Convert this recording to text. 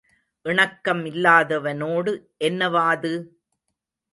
இணக்கம் இல்லாதவனோடு என்ன வாது?